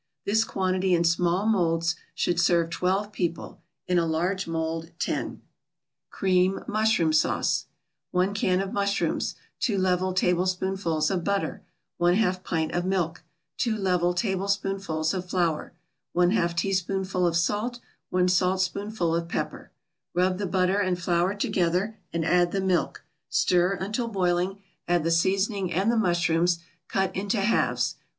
This quantity in small molds should serve twelve people; in a large mold, ten. CREAM MUSHROOM SAUCE 1 can of mushrooms 2 level tablespoonfuls of butter 1/2 pint of milk 2 level tablespoonfuls of flour 1/2 teaspoonful of salt 1 saltspoonful of pepper Rub the butter and flour together, and add the milk, stir until boiling, add the seasoning, and the mushrooms, cut into halves.